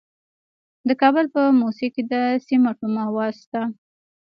د کابل په موسهي کې د سمنټو مواد شته.